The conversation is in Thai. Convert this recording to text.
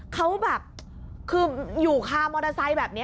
เขาแบบคืออยู่คามอเตอร์ไซค์แบบนี้